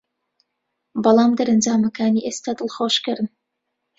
بەڵام دەرەنجامەکانی ئێستا دڵخۆشکەرن